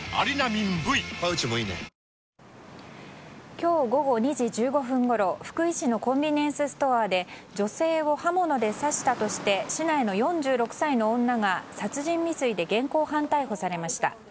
今日午後２時１５分ごろ福井市のコンビニエンスストアで女性を刃物で刺したとして市内の４６歳の女が殺人未遂で現行犯逮捕されました。